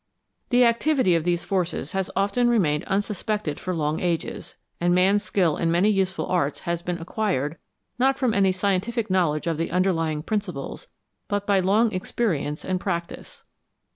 The activity of these forces has often remained unsuspected for long ages, and man's skill in many useful arts has been acquired, not from any scientific knowledge of the underlying principles, but by long experience arid practice.